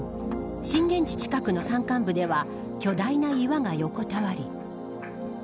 震源地近くの山間部では巨大な岩が横たわり